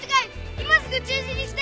今すぐ中止にして！